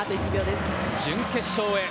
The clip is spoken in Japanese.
準決勝へ。